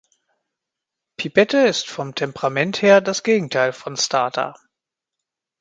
Pipette ist vom Temperament her das Gegenteil von Starter.